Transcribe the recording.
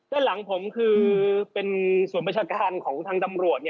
ด้านหลังผมคือเป็นส่วนประชาการของทางตำรวจ